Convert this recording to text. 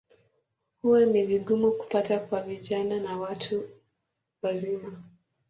Huwa ni vigumu kupata kwa vijana na watu wazima.